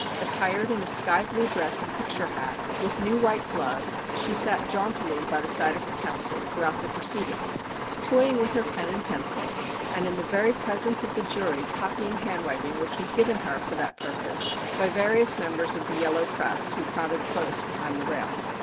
Attired in a sky blue dress and picture hat, with new white gloves, she sat jauntily by the side of her counsel throughout the proceedings toying with her pen and pencil and in the very presence of the jury copying handwriting which was given her for that purpose by various members of the yellow press who crowded close behind the rail.